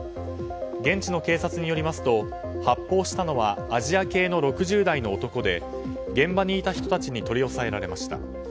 現地の警察によりますと発砲したのはアジア系の６０代の男で現場にいた人たちに取り押さえられました。